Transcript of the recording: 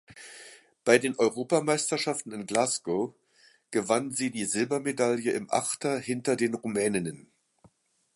Bei den Europameisterschaften in Glasgow gewann sie die Silbermedaille im Achter hinter den Rumäninnen.